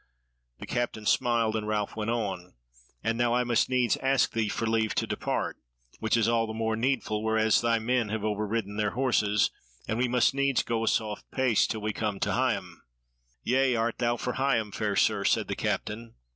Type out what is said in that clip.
The Captain smiled, and Ralph went on: "And now I must needs ask thee for leave to depart; which is all the more needful, whereas thy men have over ridden their horses, and we must needs go a soft pace till we come to Higham." "Yea, art thou for Higham, fair sir?" said the Captain.